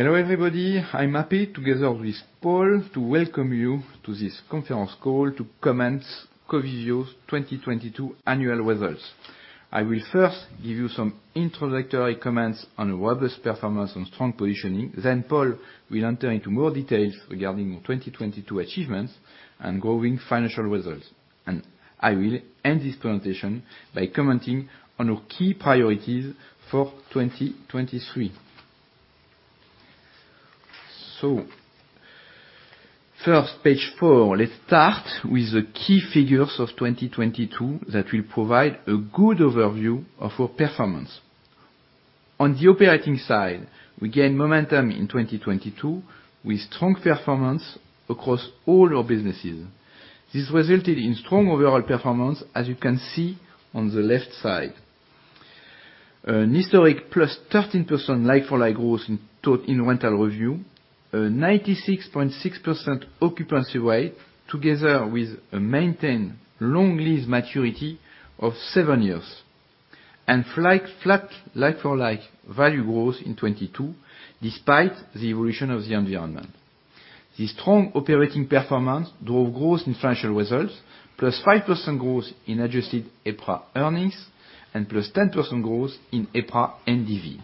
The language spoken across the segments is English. Hello, everybody. I'm happy, together with Paul, to welcome you to this conference call to commence Covivio's 2022 annual results. I will first give you some introductory comments on robust performance and strong positioning. Paul will enter into more details regarding our 2022 achievements and growing financial results. I will end this presentation by commenting on our key priorities for 2023. First, page 4. Let's start with the key figures of 2022 that will provide a good overview of our performance. On the operating side, we gained momentum in 2022 with strong performance across all our businesses. This resulted in strong overall performance, as you can see on the left side. An historic 13%+ like-for-like growth in total in rental review. A 96.6% occupancy rate, together with a maintained long lease maturity of seven years. flat like-for-like value growth in 2022, despite the evolution of the environment. The strong operating performance drove growth in financial results, 5%+ growth in adjusted EPRA earnings and 10%+ growth in EPRA NDV.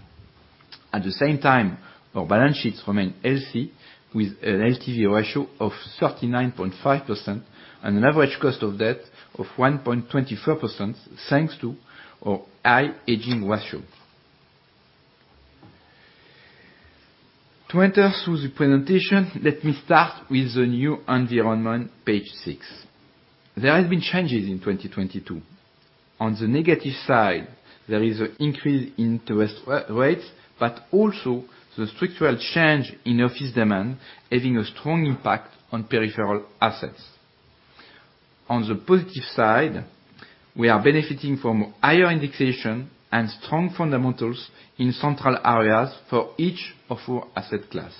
At the same time, our balance sheets remain healthy, with an LTV ratio of 39.5% and an average cost of debt of 1.24%, thanks to our high aging ratio. To enter through the presentation, let me start with the new environment, page 6. There has been changes in 2022. On the negative side, there is an increase in interest rates, but also the structural change in office demand having a strong impact on peripheral assets. On the positive side, we are benefiting from higher indexation and strong fundamentals in central areas for each of our asset class.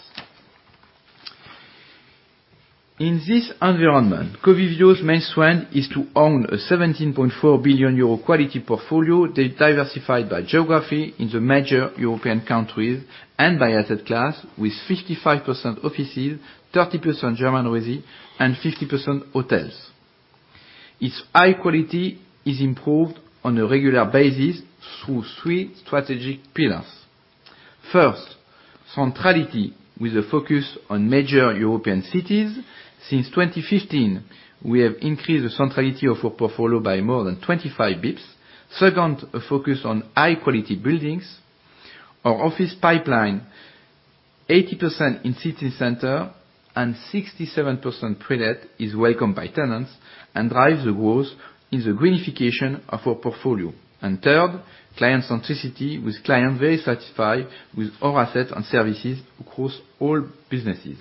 In this environment, Covivio's main strength is to own a 17.4 billion euro quality portfolio, diversified by geography in the major European countries and by asset class, with 55% offices, 30% German resi, and 50% hotels. Its high quality is improved on a regular basis through three strategic pillars. First, centrality, with a focus on major European cities. Since 2015, we have increased the centrality of our portfolio by more than 25 basis points. Second, a focus on high-quality buildings. Our office pipeline, 80% in city center and 67% prelet, is welcomed by tenants and drives the growth in the greenification of our portfolio. Third, client centricity, with clients very satisfied with our assets and services across all businesses.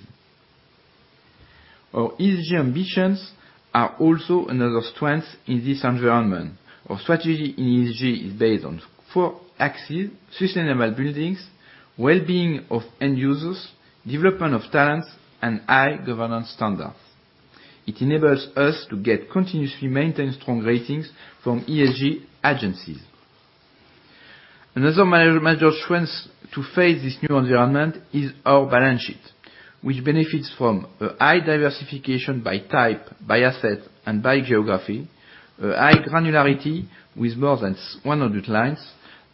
Our ESG ambitions are also another strength in this environment. Our strategy in ESG is based on four axes: sustainable buildings, well-being of end users, development of talents, and high governance standards. It enables us to continuously maintain strong ratings from ESG agencies. Another major strength to face this new environment is our balance sheet, which benefits from a high diversification by type, by asset, and by geography. A high granularity with more than 100 clients.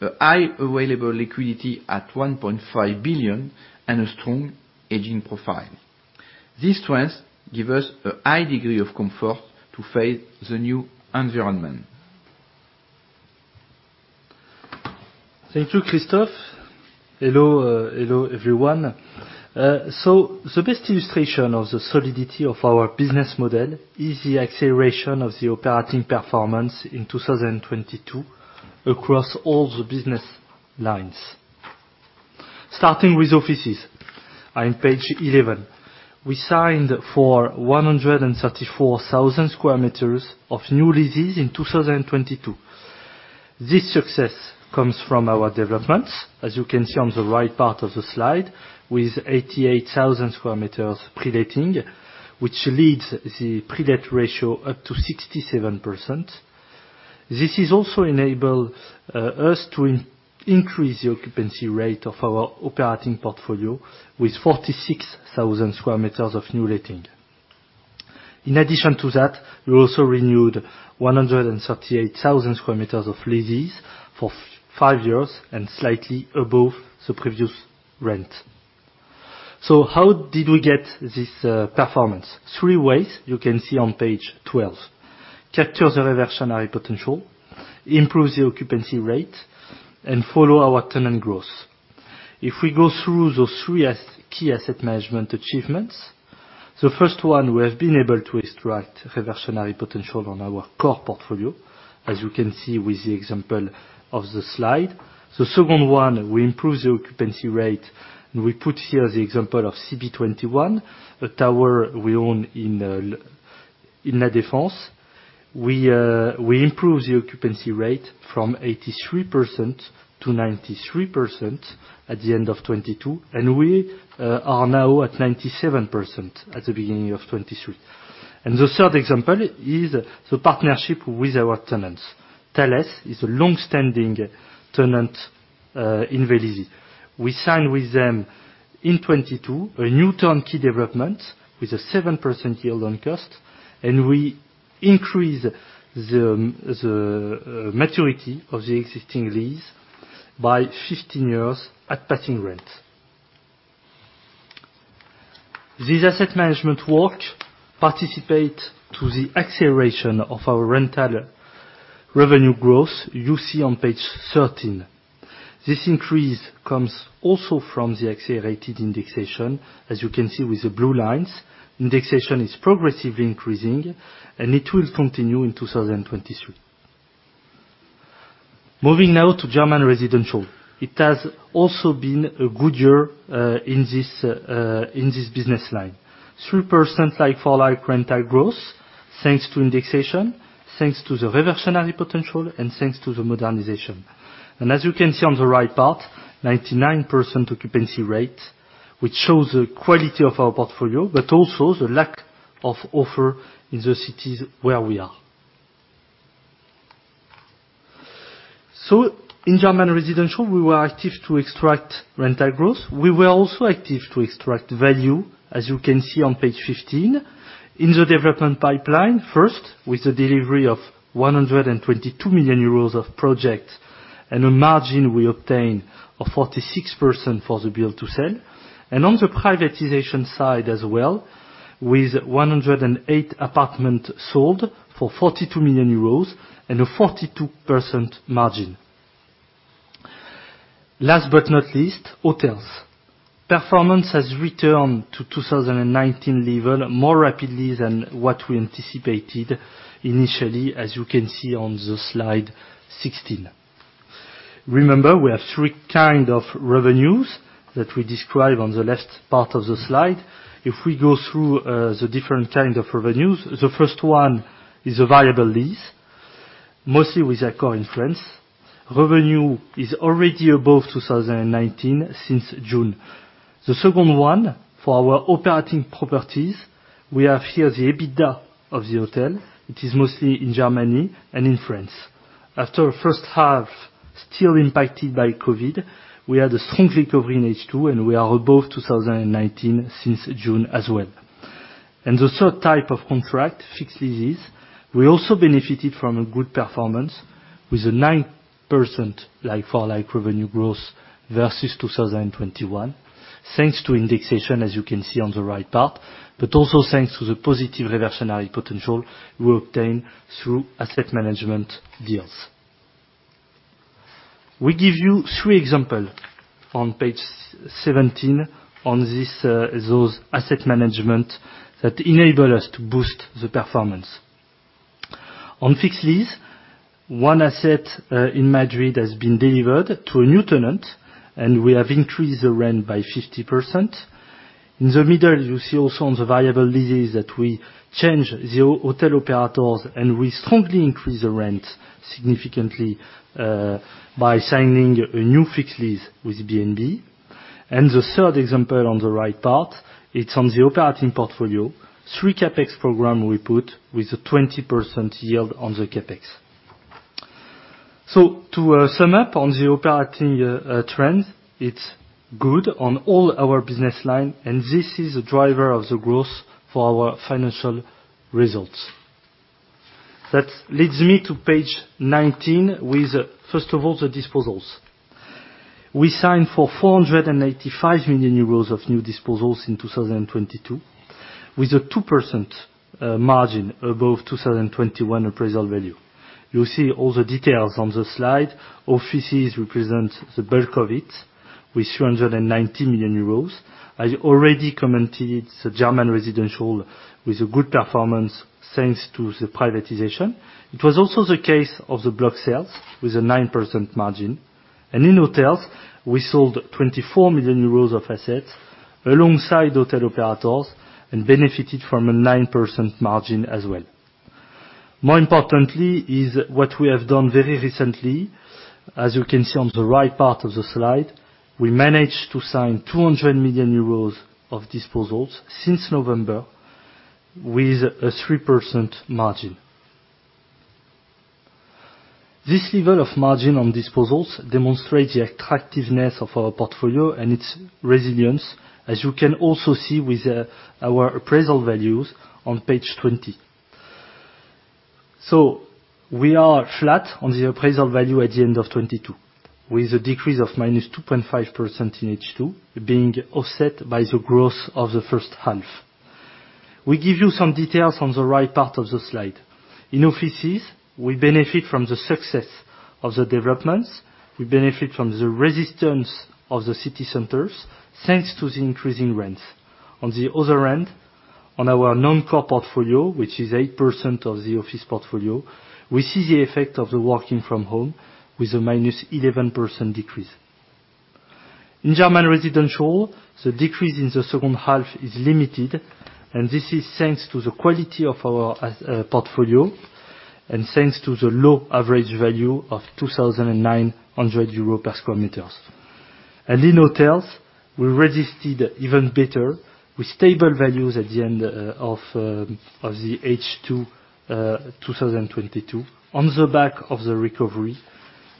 A high available liquidity at 1.5 billion, and a strong aging profile. These strengths give us a high degree of comfort to face the new environment. Thank you, Christophe. Hello, everyone. The best illustration of the solidity of our business model is the acceleration of the operating performance in 2022 across all the business lines. Starting with offices on page 11. We signed for 134,000 square meters of new leases in 2022. This success comes from our developments, as you can see on the right part of the slide, with 88,000 square meters pre-letting, which leads the pre-let ratio up to 67%. This has also enabled us to increase the occupancy rate of our operating portfolio with 46,000 square meters of new letting. In addition to that, we also renewed 138,000 square meters of leases for 5 years and slightly above the previous rent. How did we get this performance? Three ways you can see on page 12. Capture the reversionary potential, improve the occupancy rate, and follow our tenant growth. If we go through those 3 key asset management achievements, the first one, we have been able to extract reversionary potential on our core portfolio, as you can see with the example of the slide. The second one, we improve the occupancy rate, we put here the example of CB21, a tower we own in La Défense. We improve the occupancy rate from 83% to 93% at the end of 2022, and we are now at 97% at the beginning of 2023. The third example is the partnership with our tenants. Thales is a long-standing tenant in Vélizy. We sign with them in 2022, a new turnkey development with a 7% yield on cost. We increase the maturity of the existing lease by 15 years at passing rent. This asset management work participate to the acceleration of our rental revenue growth you see on page 13. This increase comes also from the accelerated indexation, as you can see with the blue lines. Indexation is progressively increasing. It will continue in 2023. Moving now to German residential. It has also been a good year in this business line. 3% like-for-like rental growth, thanks to indexation, thanks to the reversionary potential, thanks to the modernization. As you can see on the right part, 99% occupancy rate, which shows the quality of our portfolio, but also the lack of offer in the cities where we are. In German residential, we were active to extract rental growth. We were also active to extract value, as you can see on page 15. In the development pipeline first, with the delivery of 122 million euros of project and a margin we obtained of 46% for the build-to-sell. On the privatization side as well, with 108 apartment sold for 42 million euros and a 42% margin. Last but not least, hotels. Performance has returned to 2019 level more rapidly than what we anticipated initially, as you can see on the slide 16. Remember, we have 3 kind of revenues that we describe on the left part of the slide. If we go through the different kind of revenues, the first one is a variable lease, mostly with Accor in France. Revenue is already above 2019 since June. The second one, for our operating properties, we have here the EBITDA of the hotel. It is mostly in Germany and in France. After first half, still impacted by COVID, we had a strongly recovery in H2, and we are above 2019 since June as well. The third type of contract, fixed leases, we also benefited from a good performance with a 9% like-for-like revenue growth versus 2021, thanks to indexation, as you can see on the right part, but also thanks to the positive reversionary potential we obtained through asset management deals. We give you three example on page 17 on this, those asset management that enable us to boost the performance. On fixed lease, one asset in Madrid has been delivered to a new tenant, and we have increased the rent by 50%. In the middle, you see also on the variable leases that we change the hotel operators, and we strongly increase the rent significantly by signing a new fixed lease with BNB. The third example on the right part, it's on the operating portfolio. Three CapEx program we put with a 20% yield on the CapEx. To sum up on the operating trends, it's good on all our business line, and this is a driver of the growth for our financial results. That leads me to page 19, with, first of all, the disposals. We signed for 485 million euros of new disposals in 2022, with a 2% margin above 2021 appraisal value. You see all the details on the slide. Offices represent the bulk of it with 390 million euros. I already commented the German residential with a good performance thanks to the privatization. It was also the case of the block sales with a 9% margin. In hotels, we sold 24 million euros of assets alongside hotel operators and benefited from a 9% margin as well. More importantly is what we have done very recently. As you can see on the right part of the slide, we managed to sign 200 million euros of disposals since November with a 3% margin. This level of margin on disposals demonstrate the attractiveness of our portfolio and its resilience, as you can also see with our appraisal values on page 20. We are flat on the appraisal value at the end of 2022, with a decrease of -2.5% in H2 being offset by the growth of the first half. We give you some details on the right part of the slide. In offices, we benefit from the success of the developments. We benefit from the resistance of the city centers, thanks to the increasing rents. On the other hand, on our non-core portfolio, which is 8% of the office portfolio, we see the effect of the working from home with a -11% decrease. In German residential, the decrease in the second half is limited, this is thanks to the quality of our portfolio and thanks to the low average value of 2,900 euros per square meters. In hotels, we resisted even better with stable values at the end of H2 2022 on the back of the recovery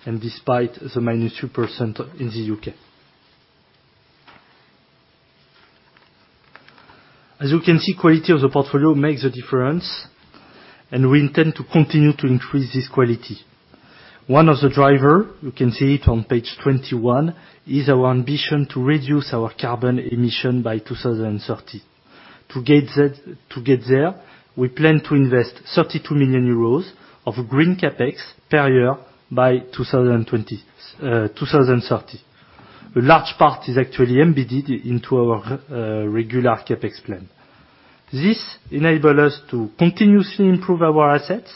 and despite the -2% in the U.K. As you can see, quality of the portfolio makes a difference, and we intend to continue to increase this quality. One of the driver, you can see it on page 21, is our ambition to reduce our carbon emission by 2030. To get there, we plan to invest 32 million euros of Green CapEx per year by 2030. A large part is actually embedded into our regular CapEx plan. This enable us to continuously improve our assets.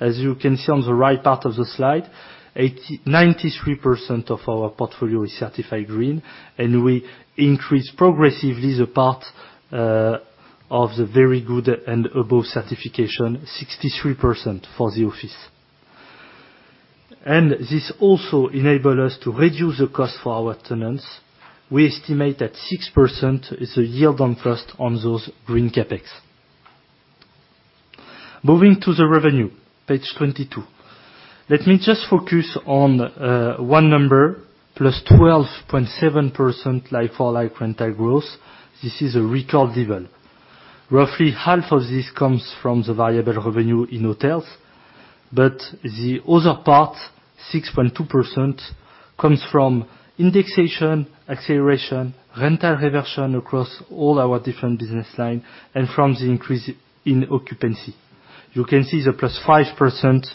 As you can see on the right part of the slide, 93% of our portfolio is certified green, and we increase progressively the part of the very good and above certification, 63% for the office. This also enable us to reduce the cost for our tenants. We estimate that 6% is a yield on cost on those Green CapEx. Moving to the revenue, page 22. Let me just focus on 1 number, +12.7% like-for-like rental growth. This is a record level. Roughly half of this comes from the variable revenue in hotels, the other part, 6.2%, comes from indexation, acceleration, rental reversion across all our different business line and from the increase in occupancy. You can see the 5%+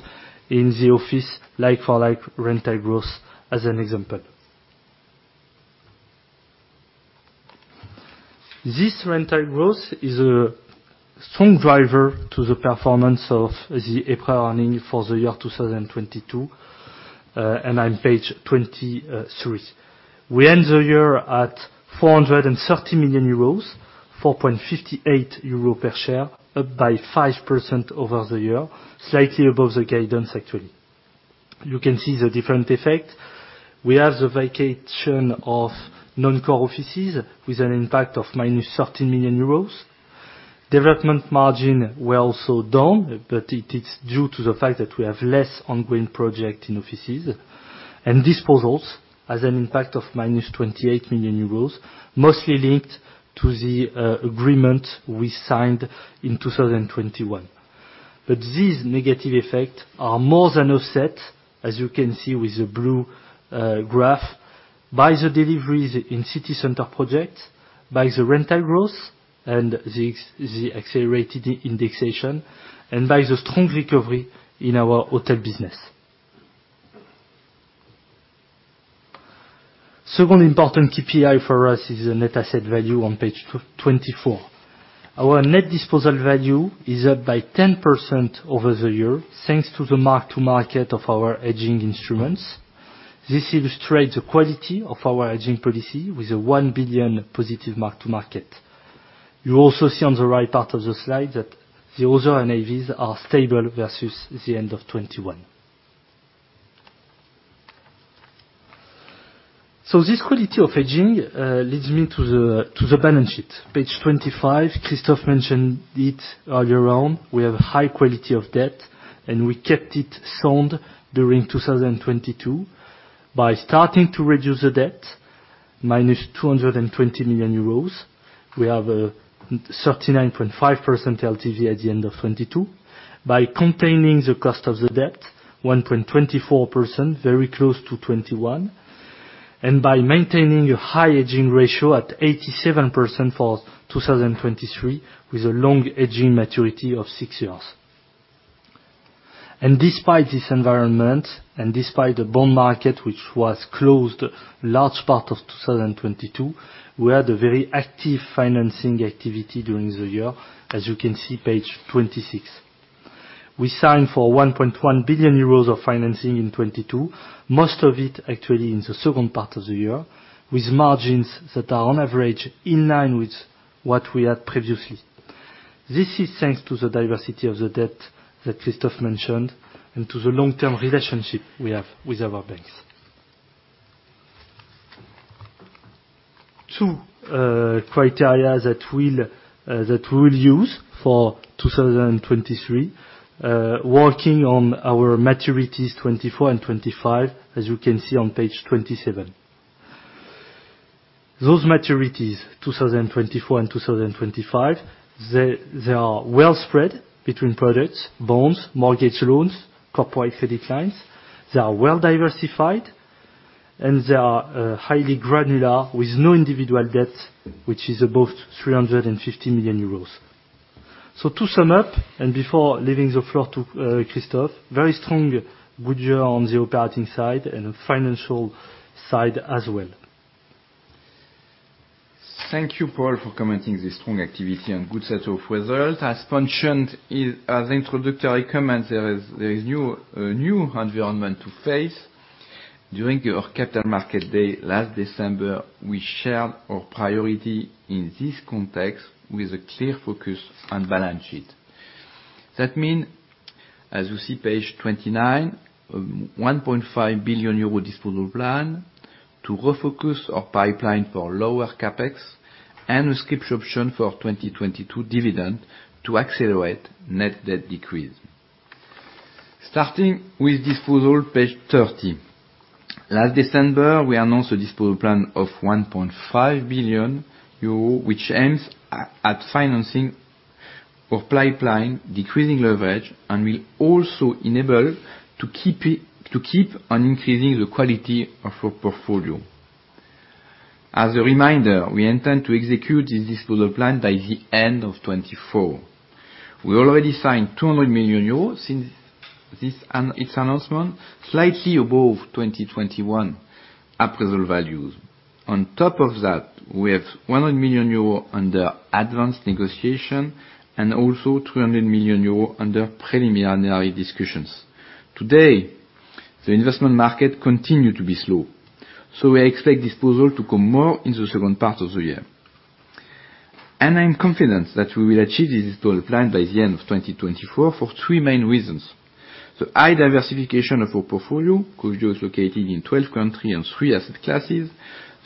in the office like-for-like rental growth as an example. This rental growth is a strong driver to the performance of the EPRA earnings for the year 2022, on page 23. We end the year at 430 million euros, 4.58 euro per share, up by 5% over the year, slightly above the guidance actually. You can see the different effect. We have the vacation of non-core offices with an impact of -30 million euros. Development margin were also down, it's due to the fact that we have less ongoing project in offices. Disposals has an impact of -28 million euros, mostly linked to the agreement we signed in 2021. These negative effects are more than offset, as you can see with the blue graph, by the deliveries in city center projects, by the rental growth and the accelerated indexation, and by the strong recovery in our hotel business. Second important KPI for us is the net asset value on page 24. Our net disposal value is up by 10% over the year, thanks to the mark-to-market of our hedging instruments. This illustrates the quality of our hedging policy with a 1 billion positive mark-to-market. You also see on the right part of the slide that the other NAVs are stable versus the end of 2021. This quality of hedging leads me to the balance sheet, page 25. Christophe mentioned it earlier on. We have high quality of debt. We kept it sound during 2022 by starting to reduce the debt -220 million euros. We have a 39.5% LTV at the end of 2022. By containing the cost of the debt, 1.24%, very close to 2021, and by maintaining a high hedging ratio at 87% for 2023, with a long hedging maturity of 6 years. Despite this environment and despite the bond market, which was closed large part of 2022, we had a very active financing activity during the year, as you can see, page 26. We signed for 1.1 billion euros of financing in 2022, most of it actually in the second part of the year, with margins that are on average in line with what we had previously. This is thanks to the diversity of the debt that Christophe mentioned and to the long-term relationship we have with our banks. Two criteria that we'll use for 2023, working on our maturities 2024 and 2025, as you can see on page 27. Those maturities, 2024 and 2025, they are well spread between products, bonds, mortgage loans, corporate credit lines. They are well diversified, and they are highly granular with no individual debt, which is above 350 million euros. To sum up, and before leaving the floor to Christophe, very strong, good year on the operating side and financial side as well. Thank you, Paul, for commenting this strong activity and good set of results. As introductory comments, there is new environment to face. During our capital market day last December, we shared our priority in this context with a clear focus on balance sheet. As you see page 29, 1.5 billion euro disposal plan to refocus our pipeline for lower CapEx and a scrip option for 2022 dividend to accelerate net debt decrease. Starting with disposal, page 30. Last December, we announced a disposal plan of 1.5 billion euro, which aims at financing our pipeline, decreasing leverage, and will also enable to keep on increasing the quality of our portfolio. As a reminder, we intend to execute this disposal plan by the end of 2024. We already signed 200 million euros since its announcement, slightly above 2021 appraisal values. On top of that, we have 100 million euros under advanced negotiation and also 200 million euros under preliminary discussions. Today, the investment market continues to be slow, so we expect disposal to come more in the second part of the year. I am confident that we will achieve this total plan by the end of 2024 for three main reasons. The high diversification of our portfolio is located in 12 countries and three asset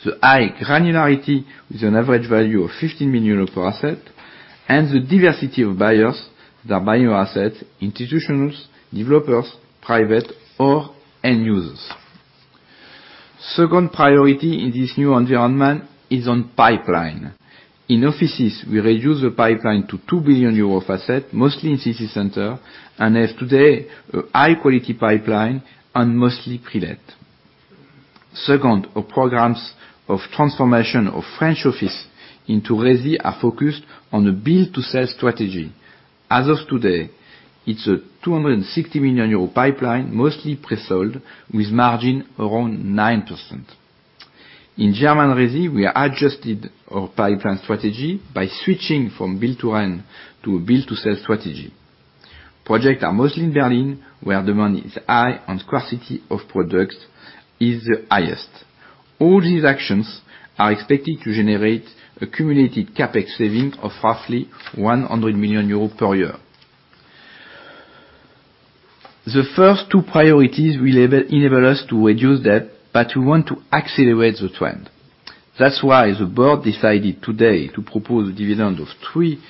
classes, the high granularity with an average value of 15 million euro per asset, and the diversity of buyers that are buying our assets, institutions, developers, private or end users. Second priority in this new environment is on pipeline. In offices, we reduce the pipeline to 2 billion euro of asset, mostly in city center, and have today a high quality pipeline and mostly pre-let. Second, our programs of transformation of French office into resi are focused on a build-to-sell strategy. As of today, it's a 260 million euro pipeline, mostly presold with margin around 9%. In German resi, we adjusted our pipeline strategy by switching from build-to-rent to a build-to-sell strategy. Project are mostly in Berlin where demand is high and scarcity of products is the highest. All these actions are expected to generate a cumulative CapEx saving of roughly 100 million euros per year. The first two priorities will enable us to reduce debt, but we want to accelerate the trend. That's why the board decided today to propose a dividend of 3.75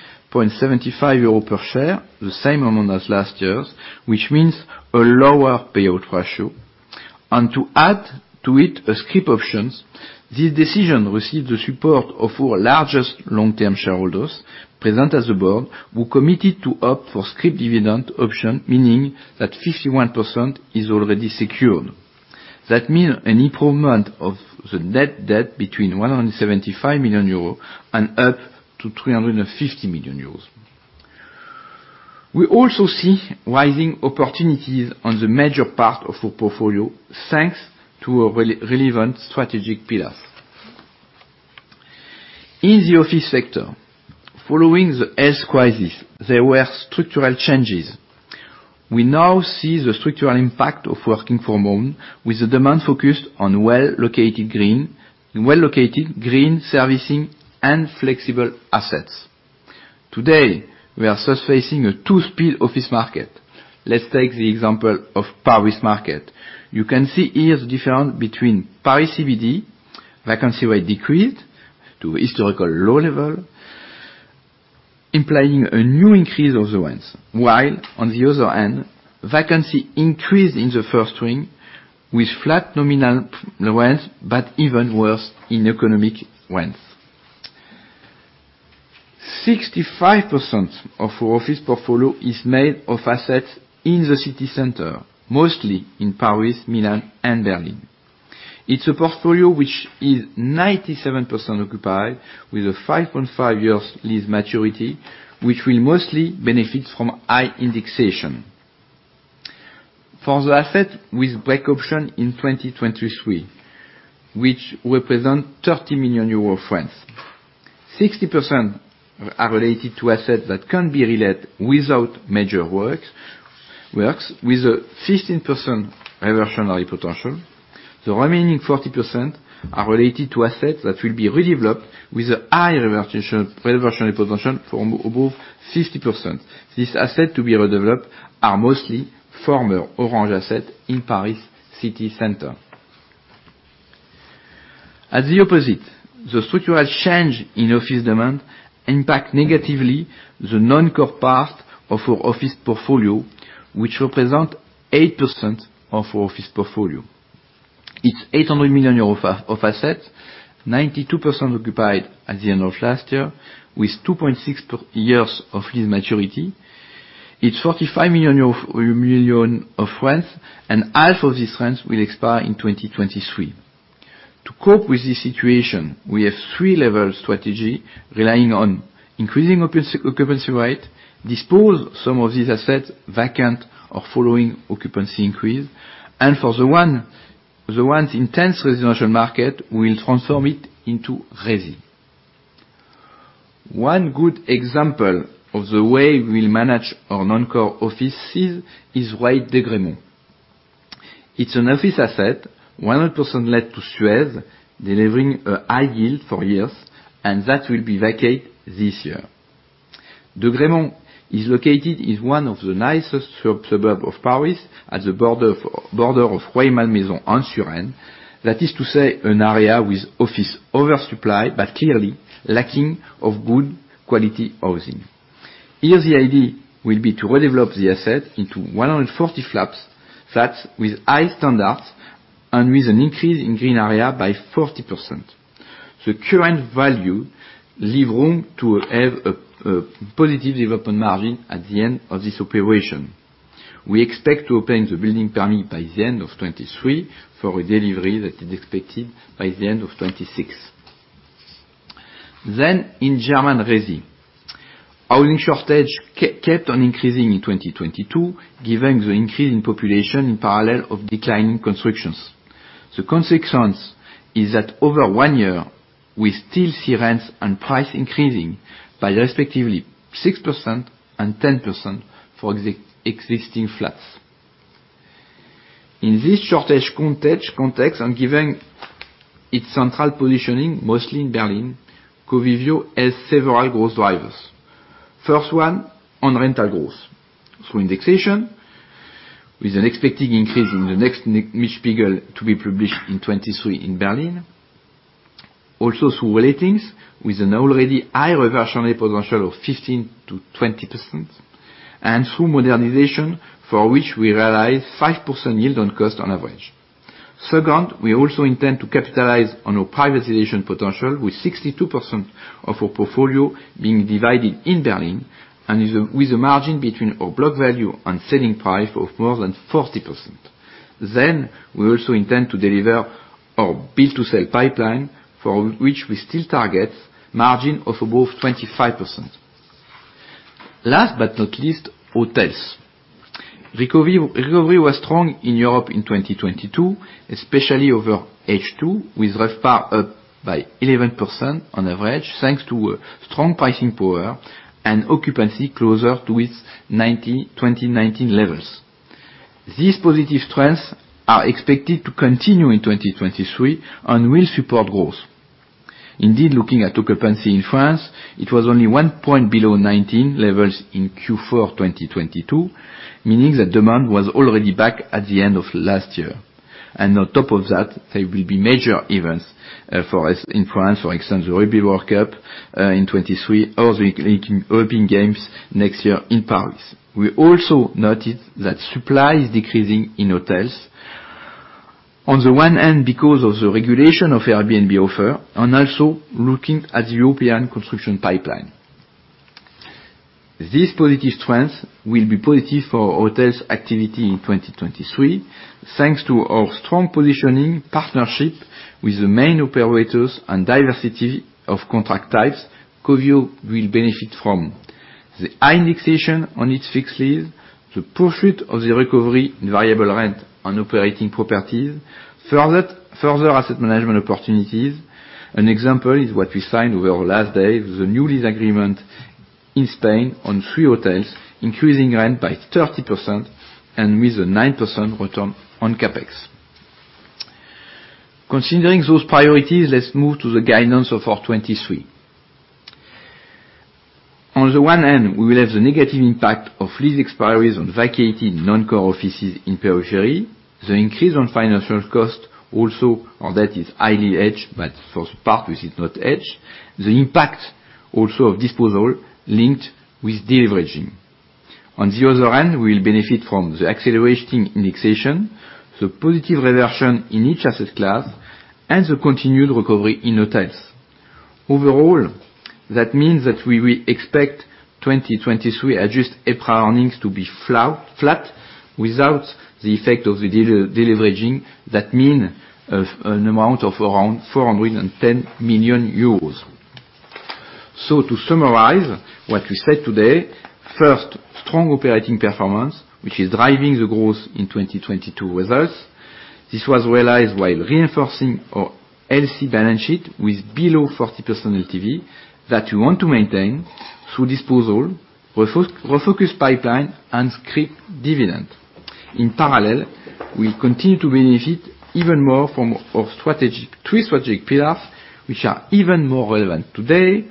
euros per share, the same amount as last year's, which means a lower payout ratio. To add to it a scrip options, this decision received the support of our largest long-term shareholders present at the board, who committed to opt for scrip dividend option, meaning that 51% is already secured. That mean an improvement of the net debt between 175 million euros and up to 350 million euros. We also see rising opportunities on the major part of our portfolio, thanks to our relevant strategic pillars. In the office sector, following the health crisis, there were structural changes. We now see the structural impact of working from home with the demand focused on well-located green servicing and flexible assets. Today, we are thus facing a 2-speed office market. Let's take the example of Paris market. You can see here the difference between Paris CBD, vacancy rate decreased to historical low level, implying a new increase of the rents. While on the other hand, vacancy increased in the first ring with flat nominal rents, but even worse in economic rents. 65% of our office portfolio is made of assets in the city center, mostly in Paris, Milan and Berlin. It's a portfolio which is 97% occupied with a 5.5 years lease maturity, which will mostly benefit from high indexation. For the asset with break option in 2023, which represent 30 million euro rents. 60% are related to assets that can be relet without major works with a 15% reversionary potential. The remaining 40% are related to assets that will be redeveloped with a high reversionary potential for above 60%. This asset to be redeveloped are mostly former Orange asset in Paris city center. At the opposite, the structural change in office demand impact negatively the non-core part of our office portfolio, which represent 8% of our office portfolio. It's 800 million euros of asset, 92% occupied at the end of last year with 2.6 years of lease maturity. It's 45 million of rents and half of these rents will expire in 2023. To cope with this situation, we have three level strategy relying on increasing occupancy rate, dispose some of these assets vacant or following occupancy increase. For the ones intense residential market, we'll transform it into resi. One good example of the way we'll manage our non-core offices is White Degrémont. It's an office asset, 100% let to Suez, delivering a high yield for years, and that will be vacant this year. Degrémont is located in one of the nicest sub-suburb of Paris, at the border of Rueil-Malmaison and Suresnes. That is to say, an area with office oversupply, but clearly lacking of good quality housing. Here, the idea will be to redevelop the asset into 140 flats with high standards and with an increase in green area by 40%. The current value leave room to have a positive development margin at the end of this operation. We expect to obtain the building permit by the end of 2023, for a delivery that is expected by the end of 2026. In German resi. Housing shortage kept on increasing in 2022, given the increase in population in parallel of decline in constructions. The consequence is that over 1 year, we still see rents and price increasing by respectively 6% and 10% for existing flats. In this shortage context, and given its central positioning, mostly in Berlin, Covivio has several growth drivers. First one, on rental growth through indexation, with an expecting increase in the next niche vehicle to be published in 2023 in Berlin. Through relatings, with an already high reversion potential of 15% to 20%, and through modernization, for which we realize 5% yield on cost on average. Second, we also intend to capitalize on our privatization potential, with 62% of our portfolio being divided in Berlin and with a margin between our book value and selling price of more than 40%. We also intend to deliver our build-to-sell pipeline, for which we still target margin of above 25%. Last but not least, hotels. Recovery was strong in Europe in 2022, especially over H2, with RevPAR up by 11% on average, thanks to a strong pricing power and occupancy closer to its 2019 levels. These positive trends are expected to continue in 2023 and will support growth. Indeed, looking at occupancy in France, it was only one point below 2019 levels in Q4 2022, meaning that demand was already back at the end of last year. On top of that, there will be major events for us in France, for example, the Rugby World Cup in 2023 or the European Games next year in Paris. We also noticed that supply is decreasing in hotels. Because of the regulation of Airbnb offer and also looking at the European construction pipeline. These positive trends will be positive for hotels activity in 2023. Thanks to our strong positioning partnership with the main operators and diversity of contract types, Covivio will benefit from the high indexation on its fixed lease, the pursuit of the recovery in variable rent on operating properties, further asset management opportunities. An example is what we signed over the last days, the new lease agreement in Spain on three hotels, increasing rent by 30% and with a 9% return on CapEx. Considering those priorities, let's move to the guidance of our 2023. We will have the negative impact of lease expiries on vacated non-core offices in periphery. The increase on financial cost also on that is highly hedged, but for the part which is not hedged. The impact also of disposal linked with deleveraging. On the other hand, we'll benefit from the acceleration indexation, the positive reversion in each asset class, and the continued recovery in hotels. Overall, that means that we will expect 2023 adjusted EPRA earnings to be flat without the effect of the deleveraging. That mean an amount of around 410 million euros. To summarize what we said today, first, strong operating performance, which is driving the growth in 2022 with us. This was realized while reinforcing our healthy balance sheet with below 40% LTV that we want to maintain through disposal, refocus pipeline, and scrip dividend. In parallel, we continue to benefit even more from our three strategic pillars, which are even more relevant today: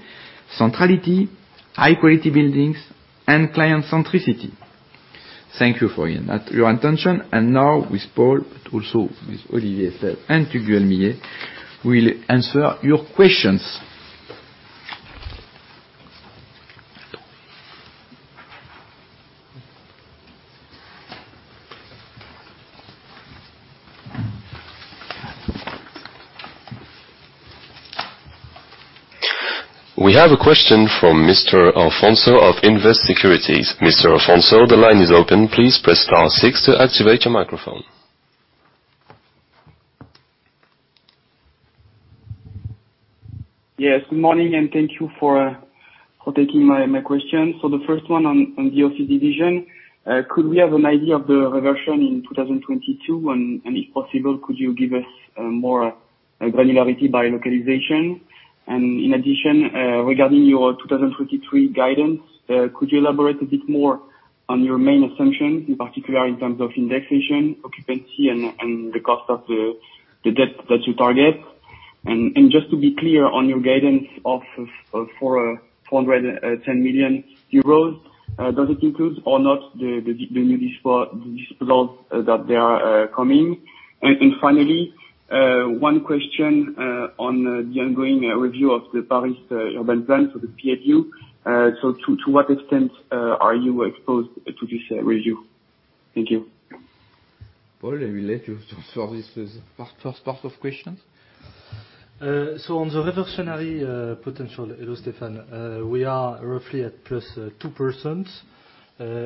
centrality, high-quality buildings, and client centricity. Thank you for your attention. Now with Paul, but also with Olivier Seel and Hugues de Villaines, we'll answer your questions. We have a question from Mr. Alfonso of Invest Securities. Mr. Alfonso, the line is open. Please press star six to activate your microphone. Yes. Good morning, thank you for taking my question. The first one on the office division, could we have an idea of the reversion in 2022? If possible, could you give us more granularity by localization. In addition, regarding your 2023 guidance, could you elaborate a bit more on your main assumptions, in particular in terms of indexation, occupancy and the cost of the debt that you target? Just to be clear on your guidance for 410 million euros, does it include or not the new disposal that they are coming? Finally, one question on the ongoing review of the Paris urban plan for the PLU. To what extent are you exposed to this review? Thank you. Paul, I will let you to answer this first part of question. On the reversionary potential, hello, Stefan. We are roughly at 2%+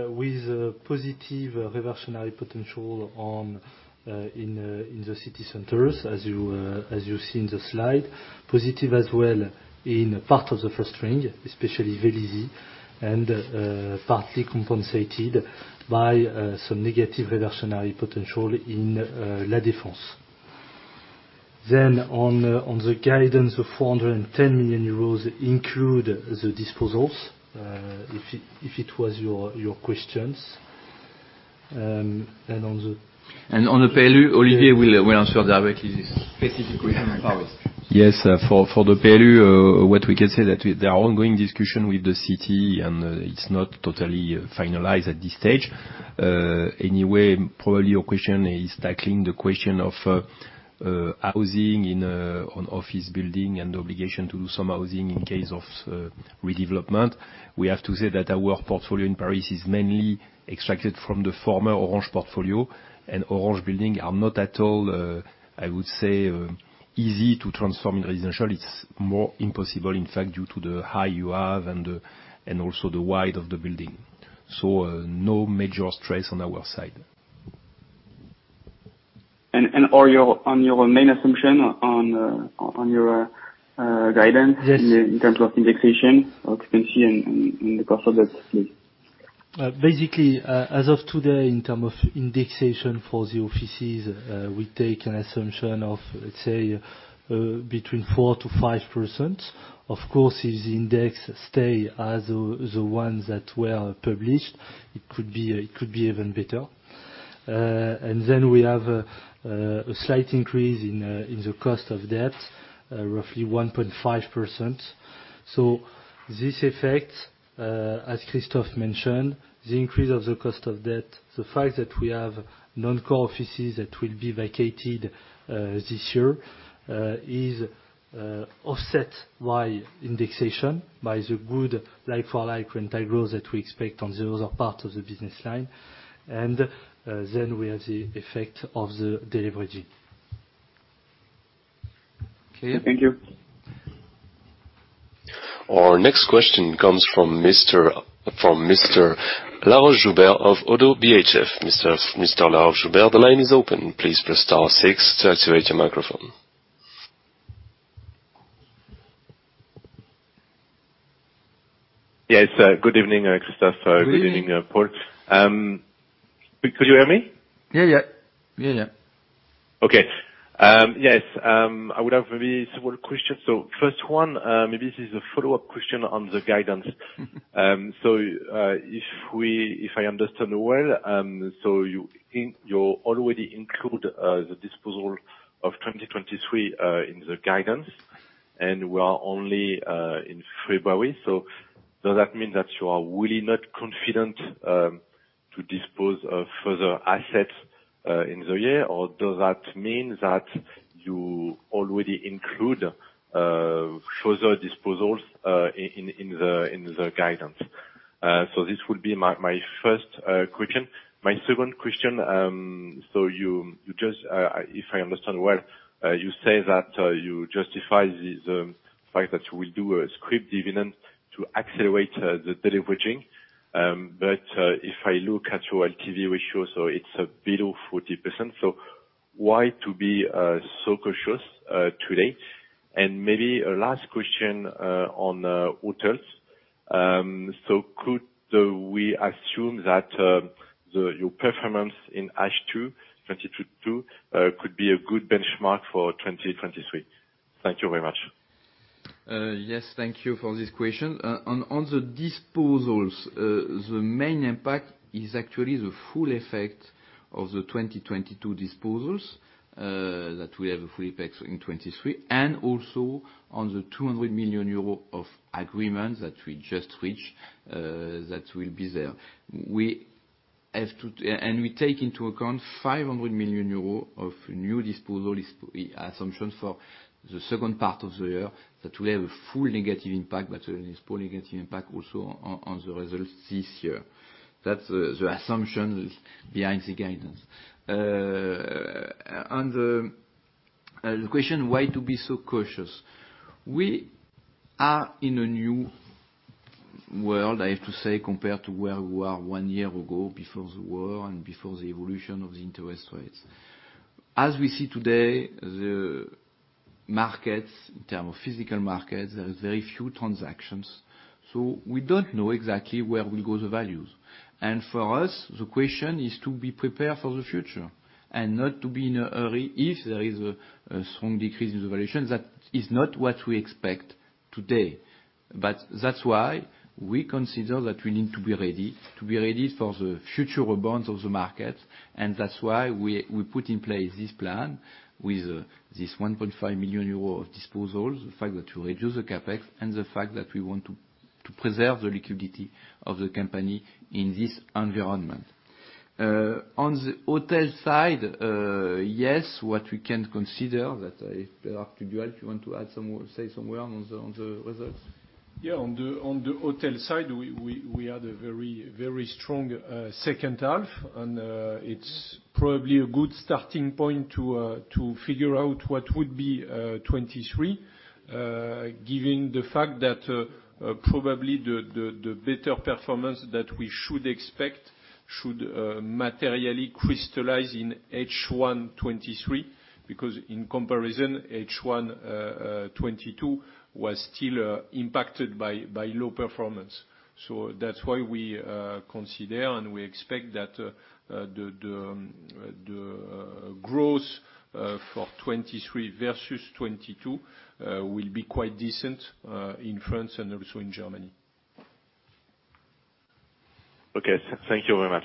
with a positive reversionary potential on in the city centers, as you see in the slide. Positive as well in part of the first ring, especially Velizy, and partly compensated by some negative reversionary potential in La Défense. On the guidance of 410 million euros include the disposals, if it was your questions. On the PLU, Olivier will answer directly this specific question on Paris. Yes. For the PLU, what we can say that there are ongoing discussion with the city, and it's not totally finalized at this stage. Anyway, probably your question is tackling the question of housing on office building and the obligation to do some housing in case of redevelopment. We have to say that our portfolio in Paris is mainly extracted from the former Orange portfolio. Orange building are not at all, I would say, easy to transform in residential. It's more impossible, in fact, due to the high you have and also the wide of the building. No major stress on our side. On your main assumption on your guidance-? Yes. In terms of indexation, occupancy and the cost of debt please. Basically, as of today, in terms of indexation for the offices, we take an assumption of between 4% to 5%. Of course, if the index stays as the ones that were published, it could be even better. We have a slight increase in the cost of debt, roughly 1.5%. This effect, as Christophe mentioned, the increase of the cost of debt, the fact that we have non-core offices that will be vacated this year, is offset by indexation, by the good like-for-like rental growth that we expect on the other part of the business line. We have the effect of the deleveraging. Thank you. Our next question comes from Mr. Laroche-Joubert of ODDO BHF. Mr. Laroche-Joubert, the line is open. Please press star 6 to activate your microphone. Yes. Good evening, Christophe. Good evening. Good evening, Paul. Could you hear me? Yeah, yeah. Yeah, yeah. Okay. Yes. I would have maybe several questions. First one, maybe this is a follow-up question on the guidance. If I understand well, you already include the disposal of 2023 in the guidance, and we are only in February. Does that mean that you are really not confident to dispose of further assets in the year? Or does that mean that you already include further disposals in the guidance? This would be my first question. My second question. You just, if I understand well, you say that you justify this fact that you will do a scrip dividend to accelerate the deleveraging. If I look at your LTV ratio, so it's below 40%. Why to be so cautious today? Maybe a last question on hotels. Could we assume that the your performance in H2 2022 could be a good benchmark for 2023? Thank you very much. Yes. Thank you for this question. On the disposals, the main impact is actually the full effect of the 2022 disposals, that we have a full effect in 2023, and also on the 200 million euro of agreements that we just reached, that will be there. We take into account 500 million euros of new disposal assumption for the second part of the year, that will have a full negative impact, but a small negative impact also on the results this year. That's the assumption behind the guidance. On the question, why to be so cautious? We are in a new world, I have to say, compared to where we were one year ago before the war and before the evolution of the interest rates. As we see today, the markets, in terms of physical markets, there are very few transactions, so we don't know exactly where will go the values. For us, the question is to be prepared for the future and not to be in a hurry if there is a strong decrease in the valuation. That is not what we expect. Today. That's why we consider that we need to be ready for the future advance of the market, and that's why we put in place this plan with 1.5 million euro of disposals. The fact that to reduce the CapEx and the fact that we want to preserve the liquidity of the company in this environment. On the hotel side, yes, what we can consider that if Pierre-Arthur Duliel, if you want to add some more, say some more on the results. Yeah. On the hotel side, we had a very, very strong second half, and it's probably a good starting point to figure out what would be 2023. Given the fact that probably the better performance that we should expect should materially crystallize in H1 2023, because in comparison, H1 2022 was still impacted by low performance. That's why we consider and we expect that the growth for 2023 versus 2022 will be quite decent in France and also in Germany. Okay. Thank you very much.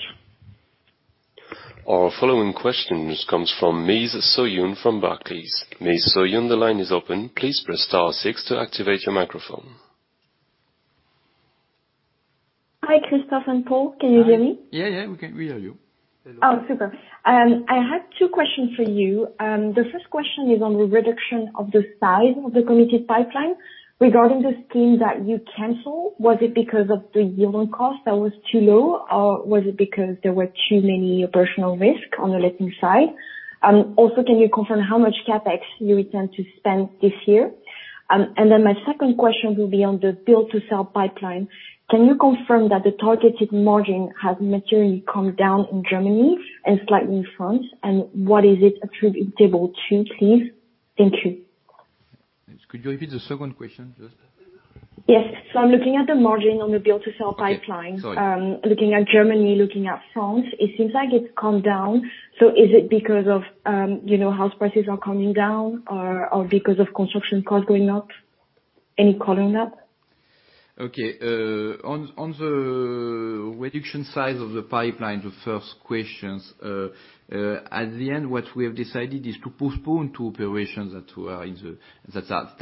Our following questions comes from Ms. Soo-Huynh from Barclays. Ms. Soo-Huynh, the line is open. Please press star 6 to activate your microphone. Hi, Christophe and Paul. Can you hear me? Yeah, yeah, we can. We hear you. Oh, super. I have two questions for you. The first question is on the reduction of the size of the committed pipeline. Regarding the scheme that you cancel, was it because of the yield on cost that was too low, or was it because there were too many operational risk on the leasing side? Can you confirm how much CapEx you intend to spend this year? My second question will be on the build-to-sell pipeline. Can you confirm that the targeted margin has materially come down in Germany and slightly in France, and what is it attributable to, please? Thank you. Could you repeat the second question, please? Yes. I'm looking at the margin on the build-to-sell pipeline. Okay. Sorry. Looking at Germany, looking at France, it seems like it's come down. Is it because of, you know, house prices are coming down or because of construction costs going up? Any comment on that? Okay. On the reduction size of the pipeline, the first questions, at the end, what we have decided is to postpone two operations that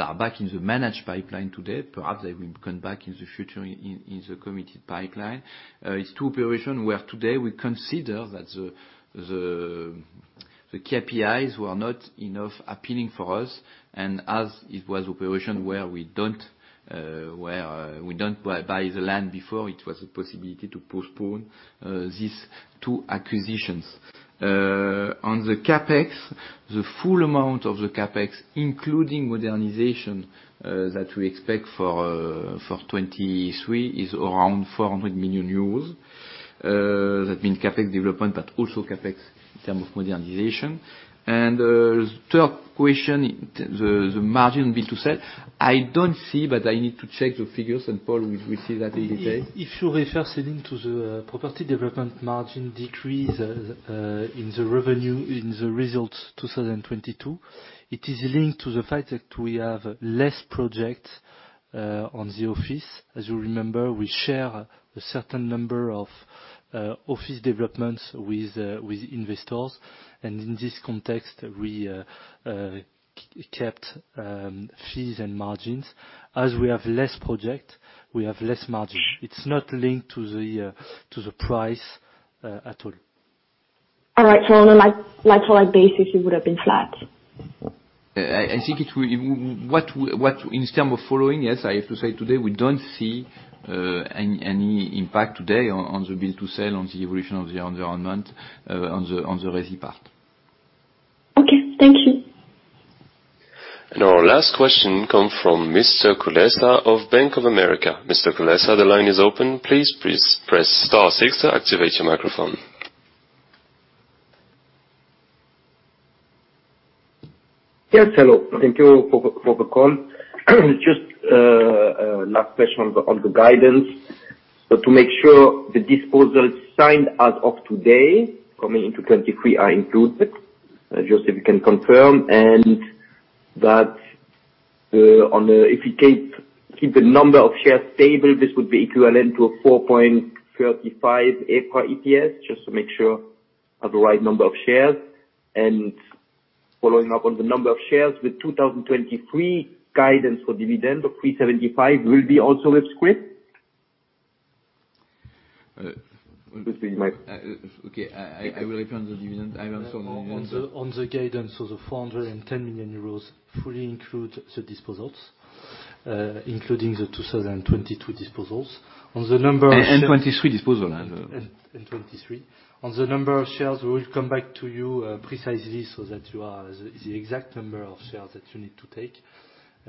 are back in the managed pipeline today. Perhaps they will come back in the future in the committed pipeline. It's two operation where today we consider that the KPIs were not enough appealing for us. As it was operation where we don't where we don't buy the land before, it was a possibility to postpone these two acquisitions. On the CapEx, the full amount of the CapEx, including modernization, that we expect for 2023 is around 400 million euros. That means CapEx development, but also CapEx in term of modernization. Third question, the margin build-to-sell. I don't see, but I need to check the figures, and Paul will receive that in a day. If you're refer something to the property development margin decrease, in the revenue, in the results 2022, it is linked to the fact that we have less project on the office. As you remember, we share a certain number of office developments with investors. In this context, we kept fees and margins. As we have less project, we have less margin. It's not linked to the to the price at all. All right. On a like-for-like basis, it would have been flat. I think it will. In terms of following, yes, I have to say today, we don't see any impact today on the build-to-sell, on the evolution of the environment, on the resi part. Okay. Thank you. Our last question come from Mr. Kulessa of Bank of America. Mr. Kulessa, the line is open. Please press star six to activate your microphone. Yes, hello. Thank you for the call. Just a last question on the guidance. To make sure the disposals signed as of today, coming into 2023 are included, just if you can confirm. That if you keep the number of shares stable, this would be equivalent to a 4.35 EPRA EPS, just to make sure I have the right number of shares. Following up on the number of shares, with 2023 guidance for dividend of 3.75 will be also with scrip? Uh. With the- Okay. I will repeat on the dividend. I will answer on the dividend. On the guidance, the 410 million euros fully include the disposals, including the 2022 disposals. On the number of shares 2023 disposal. 2023. On the number of shares, we will come back to you precisely so that you have the exact number of shares that you need to take. On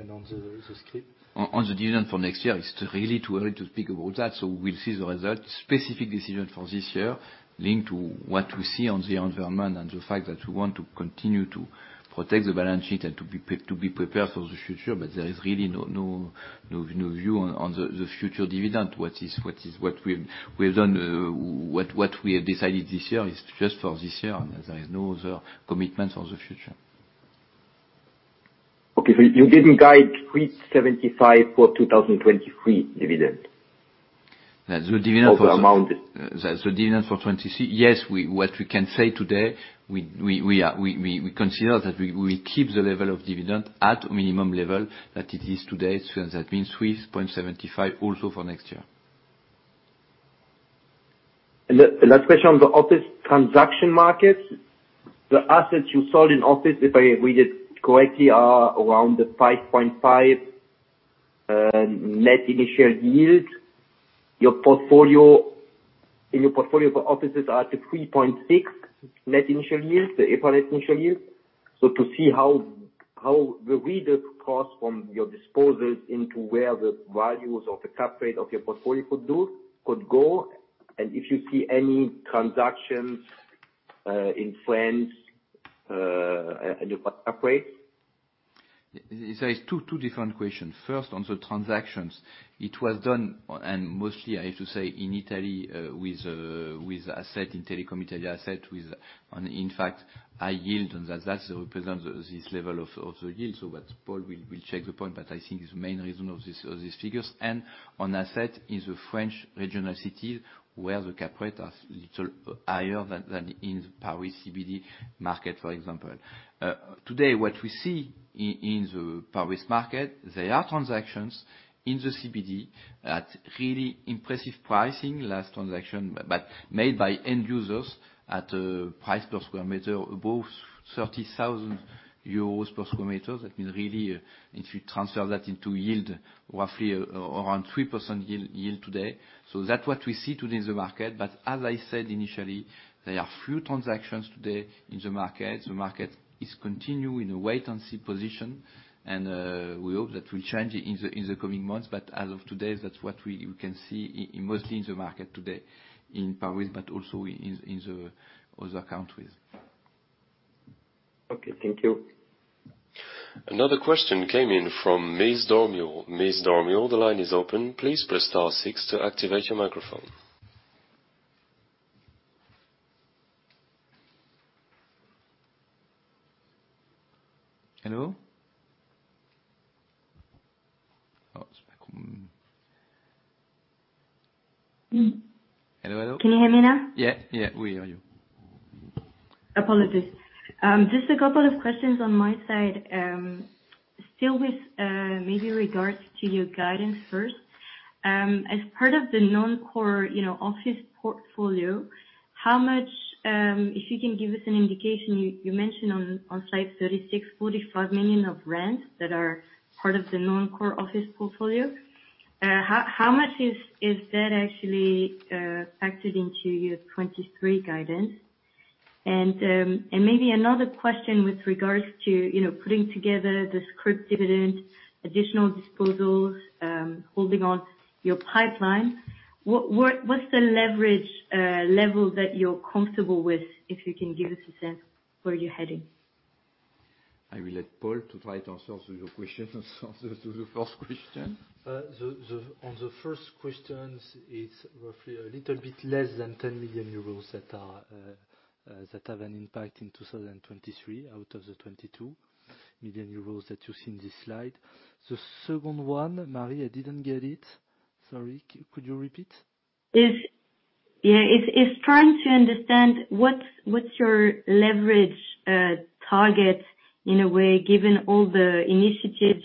the scrip- On the dividend for next year, it's really too early to speak about that. We'll see the results. Specific decision for this year linked to what we see on the environment and the fact that we want to continue to protect the balance sheet and to be prepared for the future. There is really no view on the future dividend. What we've done, what we have decided this year is just for this year, and there is no other commitment for the future. Okay. you didn't guide 3.75 for 2023 dividend? That's the dividend. Amount. That's the dividend for 2023. Yes, what we can say today, we consider that we keep the level of dividend at minimum level that it is today. That means 3.75 also for next year. The last question on the office transaction market. The assets you sold in office, if I read it correctly, are around the 5.5 net initial yield. In your portfolio for offices are at a 3.6 net initial yield, the EPRA net initial yield. To see how will we do to cross from your disposals into where the values of the cap rate of your portfolio could do, could go, and if you see any transactions in France in the cap rate. There is 2 different questions. First, on the transactions. It was done, mostly, I have to say, in Italy, with asset, in Telecom Italia asset. In fact, high yield, that represents this level of the yield. That Paul will check the point, but I think it's the main reason of these figures. On asset, in the French regional cities where the cap rate are little higher than in Paris CBD market, for example. Today, what we see in the Paris market, there are transactions in the CBD at really impressive pricing. Last transaction, but made by end users at price per square meter, above 30,000 euros per square meter. That means, really, if you transfer that into yield, roughly around 3% yield today. That's what we see today in the market. As I said initially, there are few transactions today in the market. The market is continuing a wait and see position. We hope that will change in the coming months. As of today, that's what you can see in mostly in the market today in Paris, but also in the other countries. Okay. Thank you. Another question came in from Ms. Dormiel. Ms. Dormiel, the line is open. Please press star six to activate your microphone. Hello? Oh. Hello, hello. Can you hear me now? Yeah, yeah. We hear you. Apologies. Just a couple of questions on my side. Still with maybe regards to your guidance first. As part of the non-core, you know, office portfolio, how much, if you can give us an indication, you mentioned on slide 36, 45 million of rent that are part of the non-core office portfolio. How much is that actually factored into your 2023 guidance? Maybe another question with regards to, you know, putting together the scrip dividend, additional disposals, holding on to your pipeline. What's the leverage level that you're comfortable with, if you can give us a sense where you're heading? I will let Paul to try to answer to your question, answer to the first question. The on the first questions, it's roughly a little bit less than 10 million euros that are that have an impact in 2023, out of the 22 million euros that you see in this slide. The second one, Marie, I didn't get it. Sorry. Could you repeat? It's, yeah. It's, it's trying to understand what's your leverage, target, in a way, given all the initiatives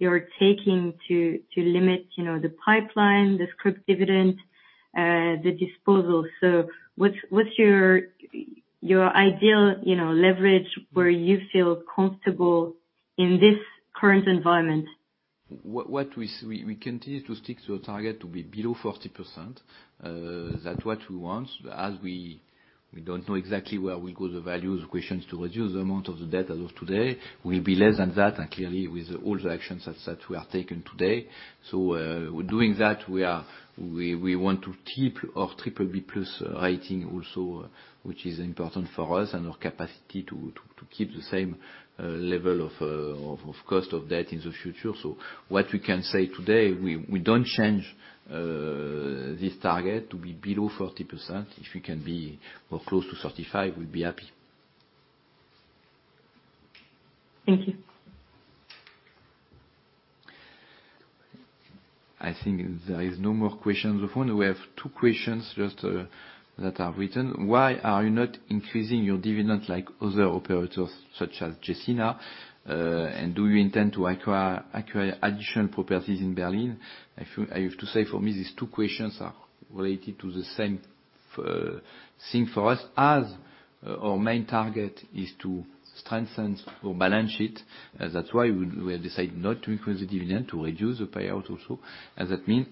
you're taking to limit, you know, the pipeline, the scrip dividend, the disposal. What's, what's your ideal, you know, leverage where you feel comfortable in this current environment? What we continue to stick to a target to be below 40%. That's what we want. As we don't know exactly where will go the value, the questions to reduce the amount of the debt as of today. Will be less than that, clearly with all the actions that we are taking today. Doing that, we want to keep our BBB+ rating also, which is important for us and our capacity to keep the same level of cost of debt in the future. What we can say today, we don't change this target to be below 40%. If we can be close to 35, we'll be happy. Thank you. I think there is no more questions on the phone. We have two questions just that are written. Why are you not increasing your dividend like other operators such as Gecina? Do you intend to acquire additional properties in Berlin? I have to say for me, these two questions are related to the same thing for us, as our main target is to strengthen our balance sheet. That's why we have decided not to increase the dividend, to reduce the payout also, as that mean.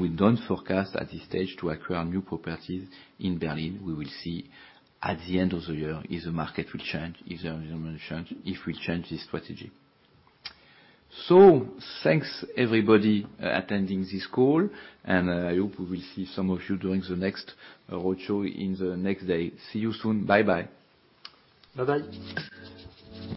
We don't forecast at this stage to acquire new properties in Berlin. We will see at the end of the year if the market will change, if there is demand change, if we change this strategy. Thanks, everybody, attending this call, I hope we will see some of you during the next roadshow in the next day. See you soon. Bye-bye. Bye-bye.